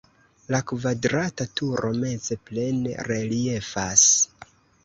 La kvadrata turo meze plene reliefas.